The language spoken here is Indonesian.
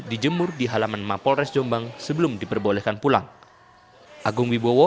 dijemur di halaman mapolres jombang sebelum diperbolehkan pulang